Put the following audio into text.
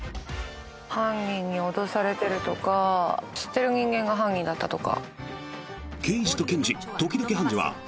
犯人に脅されてるとか知ってる人間が犯人だったとか。